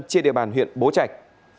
trên địa bàn huyện bố trạch